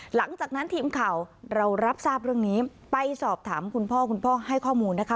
หลังจากนั้นทีมข่าวเรารับทราบเรื่องนี้ไปสอบถามคุณพ่อคุณพ่อให้ข้อมูลนะคะ